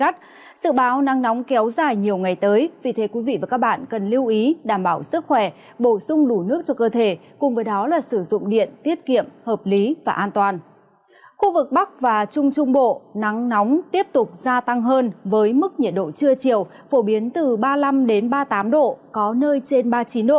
trong tỉnh nam trung bộ nắng nóng tiếp tục gia tăng hơn với mức nhiệt độ trưa chiều phổ biến từ ba mươi năm ba mươi tám độ có nơi trên ba mươi chín độ